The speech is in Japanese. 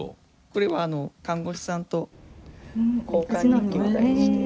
これは看護師さんと交換日記みたいにして。